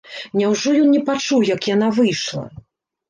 Няўжо ён не пачуў, як яна выйшла?